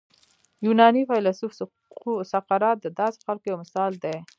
یوناني فیلسوف سقراط د داسې خلکو یو مثال دی.